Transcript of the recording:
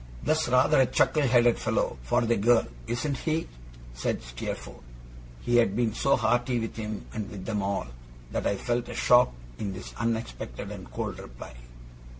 'That's rather a chuckle headed fellow for the girl; isn't he?' said Steerforth. He had been so hearty with him, and with them all, that I felt a shock in this unexpected and cold reply.